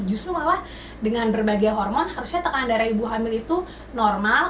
justru malah dengan berbagai hormon harusnya tekanan darah ibu hamil itu normal